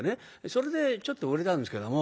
それでちょっと売れたんですけども。